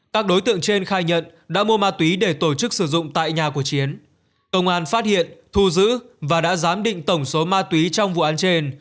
các đối tượng trên khai nhận đã mua ma túy để tổ chức sử dụng tại nhà của chiến công an phát hiện thu giữ và đã giám định tổng số ma túy trong vụ án trên